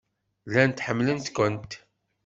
Llant ḥemmlent-kent.